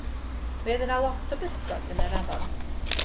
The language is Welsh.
Mi oedd yna lot o bysgod yn yr afon.